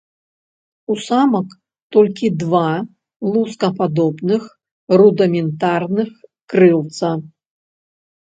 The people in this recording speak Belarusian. У самак толькі два лускападобных рудыментарных крылца.